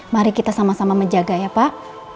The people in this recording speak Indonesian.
mari kita sama sama menjaga ya pak